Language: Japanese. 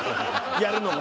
やるのが。